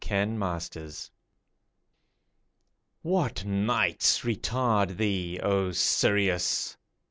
CHANT TO SIRIUS What nights retard thee, O Sirius!